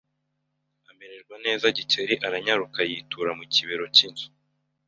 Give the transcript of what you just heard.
amererwa nezaGikeli aranyaruka yitura mu kibero cy'inzu